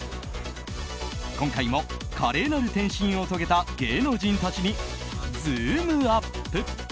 今回も華麗なる転身を遂げた芸能人たちにズームＵＰ！